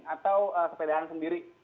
atau sepeda an sendiri